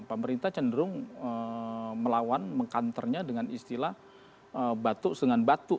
pemerintah cenderung melawan mengkanternya dengan istilah batu dengan batu